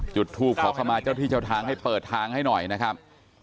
จุดทูปขอเข้ามาเจ้าที่เจ้าทางให้เปิดทางให้หน่อยนะครับ